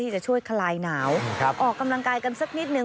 จะช่วยคลายหนาวออกกำลังกายกันสักนิดนึง